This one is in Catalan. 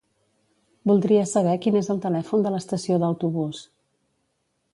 Voldria saber quin és el telèfon de l'estació d'autobús.